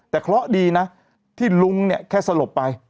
แต่เคราะห์ดีนะที่ลุงเนี่ยแค่สลบไป